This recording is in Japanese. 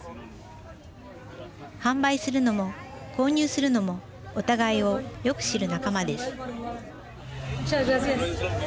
販売するのも購入するのもお互いをよく知る仲間です。